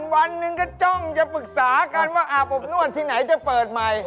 วันหนึ่งก็จ้องจะปรึกษากันว่าอาบอบนวดที่ไหนจะเปิดใหม่